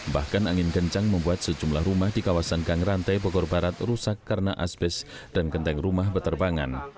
bahkan angin kencang membuat sejumlah rumah di kawasan kang rantai bogor barat rusak karena asbest dan kenteng rumah berterbangan